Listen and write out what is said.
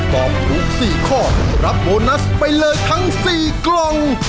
ตอบถูก๔ข้อรับโบนัสไปเลยทั้ง๔กล่อง